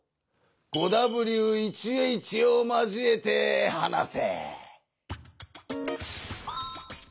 ５Ｗ１Ｈを交えて話せ！